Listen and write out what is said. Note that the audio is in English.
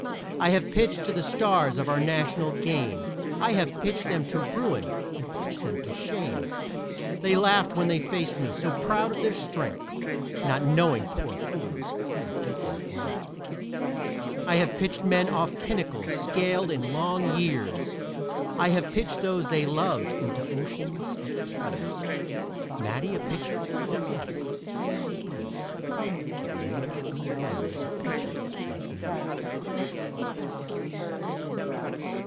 I have pitched to the stars of our national game, I have pitched them to ruin and pitched them to shame. They laughed when they faced me, so proud of their strength, Not knowing, poor fools, I would get them at length. I have pitched men off pinnacles scaled in long years. I have pitched those they loved into oceans of tears. Matty a pitcher? Well, yes, he may be, But where in the world is a pitcher like me?